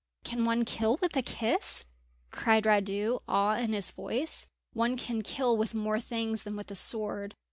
"Can one kill with a kiss?" cried Radu, awe in his voice. "One can kill with more things than with a sword.